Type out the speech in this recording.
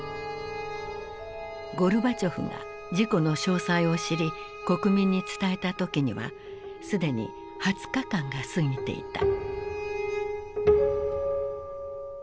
ゴルバチョフが事故の詳細を知り国民に伝えた時には既に２０日間が過ぎていた。